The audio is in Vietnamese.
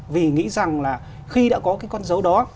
vì nghĩ rằng là khi đã có cái con dấu đó